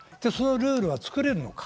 そのルールはつくれるのか。